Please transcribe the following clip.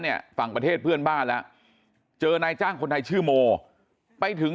เนี่ยฝั่งประเทศเพื่อนบ้านแล้วเจอนายจ้างคนไทยชื่อโมไปถึง